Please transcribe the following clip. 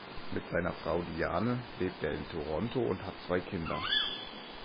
Mit seiner Frau Diane lebt er in Toronto und hat zwei Kinder.